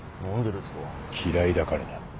嫌いだからだ。